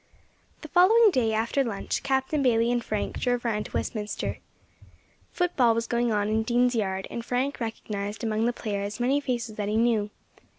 THE following day, after lunch, Captain Bayley and Frank drove round to Westminster. Football was going on in Dean's Yard, and Frank recognised among the players many faces that he knew.